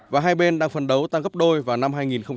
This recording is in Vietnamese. và hai bên đang phấn đấu tăng gấp đôi vào năm hai nghìn hai mươi